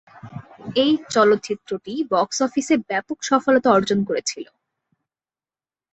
এই চলচ্চিত্রটি বক্স অফিসে ব্যাপক সফলতা অর্জন করেছিল।